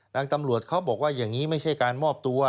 ตำรวจเขาบอกว่าอย่างนี้ไม่ใช่การมอบตัว